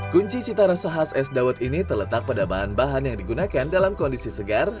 kunci cita rasa khas es dawet ini terletak pada bahan bahan yang digunakan dalam kondisi segar